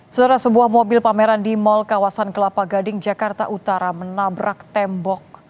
setelah sebuah mobil pameran di mal kawasan kelapa gading jakarta utara menabrak tembok